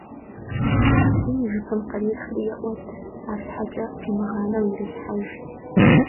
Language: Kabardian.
Тутын и жыпым кърехри еӀуэт, арщхьэкӀэ пимыгъанэу ирелъхьэж.